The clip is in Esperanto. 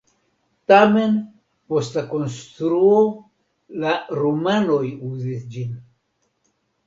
Tamen post la konstruo la rumanoj uzis ĝin.